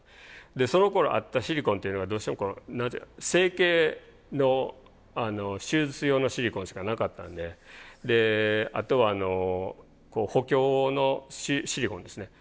そのころあったシリコンっていうのがどうしても整形の手術用のシリコンしかなかったんであとは補強のシリコンですね。